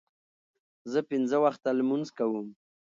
زه پنځه وخته لمونځ کوم.